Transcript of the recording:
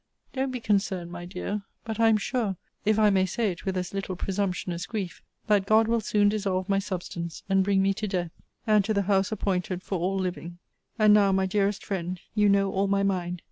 Don't be concerned, my dear But I am sure, if I may say it with as little presumption as grief, That God will soon dissolve my substance; and bring me to death, and to the house appointed for all living.' And now, my dearest friend, you know all my mind.